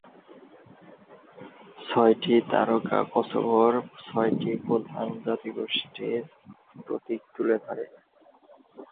ছয়টি তারকা কসোভোর ছয়টি প্রধান জাতিগোষ্ঠীর প্রতীক তুলে ধরে।